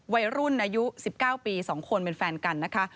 วัยรุ่นอายุ๑๙ปี๒คนเป็นแฟนกันนะคะ